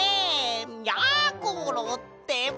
やころってば！